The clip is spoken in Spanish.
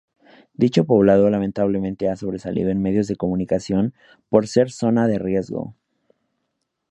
Dicho poblado lamentablemente ha sobresalido en medios de comunicación por ser zona de riesgo.